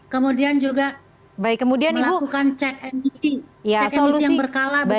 kemudian juga dilakukan cek emisi yang berkala